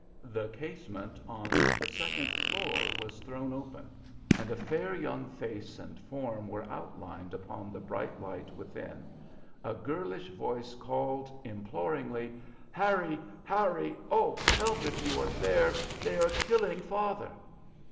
The casement on the second floor was thrown open, and a fair young face and form were outlined upon the bright light within; a girlish voice called, imploringly, "Harry! Harry! Oh, help, if you are there! They are killing father!"